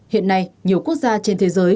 hiện nay nhiều quốc gia trên thế giới